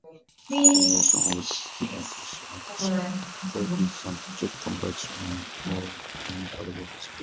Generalizations of this definition are possible, for instance, to complex manifolds and algebraic varieties.